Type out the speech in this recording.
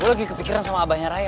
gue lagi kepikiran sama abahnya raya